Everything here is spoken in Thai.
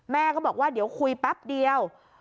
แม่ก็บอกว่าเดี๋ยวคุยแป๊บเดียว